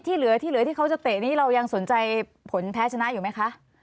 เหลือที่เหลือที่เขาจะเตะนี้เรายังสนใจผลแพ้ชนะอยู่ไหมคะ